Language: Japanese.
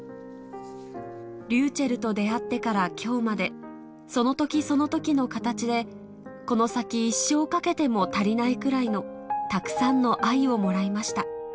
ｒｙｕｃｈｅｌｌと出会ってからきょうまで、そのときそのときの形で、この先一生かけても足りないくらいのたくさんの愛をもらいました。